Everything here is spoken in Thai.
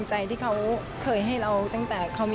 สวัสดีครับทุกคน